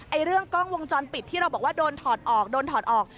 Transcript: เรื่องกล้องวงจรปิดที่เราบอกว่าโดนถอดออกโดนถอดออก